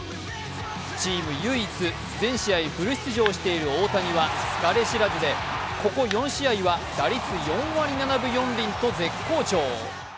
チーム唯一、全試合フル出場している大谷は疲れ知らずで、ここ４試合は打率４割７分４厘と絶好調！